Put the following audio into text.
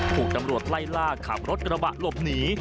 ถูกตำรวจไล่ล่าขับรถกระบะหลบหนี